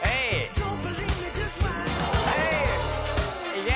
いけ！